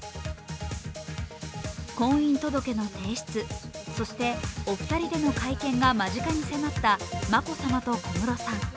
婚姻届の提出、そしてお二人での会見が間近に迫った眞子さまと小室さん。